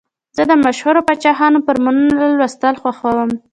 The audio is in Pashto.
زه د مشهورو پاچاهانو فرمانونه لوستل خوښوم.